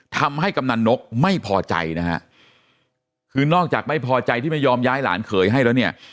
กำนันนกไม่พอใจนะฮะคือนอกจากไม่พอใจที่ไม่ยอมย้ายหลานเขยให้แล้วเนี่ย